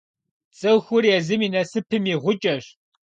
Цӏыхур езым и насыпым и «гъукӏэщ».